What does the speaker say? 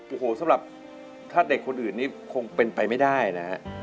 โอ้โหสำหรับถ้าเด็กคนอื่นนี้คงเป็นไปไม่ได้นะฮะ